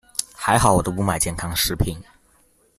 還好我都不買健康食品